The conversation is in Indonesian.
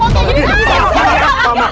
udah udah udah